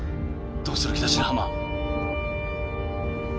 どうする気だ白浜